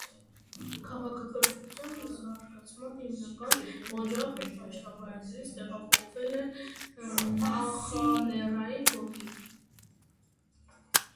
Քաղաքակրթության զարգացման հիմնական օջախները դաշտավայրերից տեղափոխվել են նախալեռնային գոտի։